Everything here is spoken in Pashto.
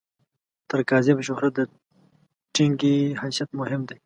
تر کاذب شهرت، د ټنګي حیثیت مهم دی.